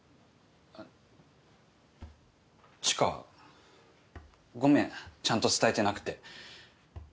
知花ごめんちゃんと伝えてなくて。